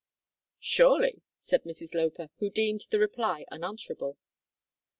"Surely," said Mrs Loper, who deemed the reply unanswerable.